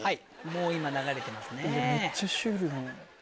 もう今流れてますね。